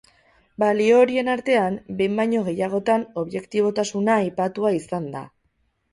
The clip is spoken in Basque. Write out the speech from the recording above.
Balio horien artean, behin baino gehiagotan objektibotasuna aipatua izan da.